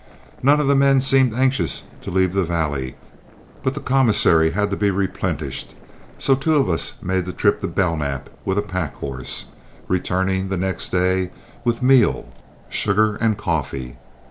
None of the men seemed anxious to leave the valley, but the commissary had to be replenished, so two of us made the trip to Belknap with a pack horse, returning the next day with meal, sugar, and coffee.